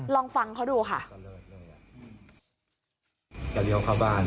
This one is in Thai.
ลองฟังเขาดูค่ะ